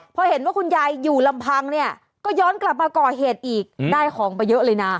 พอเห็นว่าคุณยายอยู่ลำพังเนี่ยก็ย้อนกลับมาก่อเหตุอีกได้ของไปเยอะเลยนะ